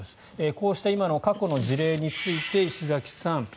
こうした過去の事例について石崎さん。